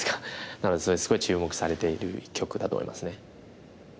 なのでそれすごい注目されている一局だと思いますね。